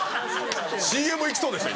ＣＭ行きそうでした